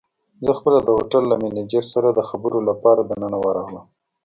زه خپله د هوټل له مېنېجر سره د خبرو لپاره دننه ورغلم.